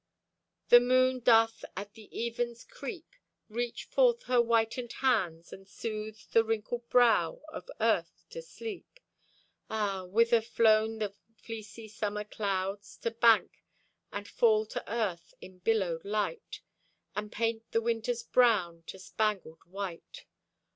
The moon doth, at the even's creep, Reach forth her whitened hands and sooth The wrinkled brow of earth to sleep. Ah, whither flown the fleecy summer clouds, To bank, and fall to earth in billowed light, And paint the winter's brown to spangled white?